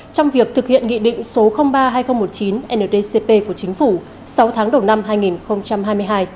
trong việc thực hiện nghị định số ba hai nghìn một mươi chín ndcp của chính phủ sáu tháng đầu năm hai nghìn hai mươi hai